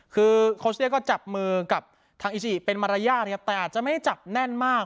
คือโคชเนี่ยก็จับมือกับทางอิชิเป็นมารยาทนะครับแต่อาจจะไม่ได้จับแน่นมาก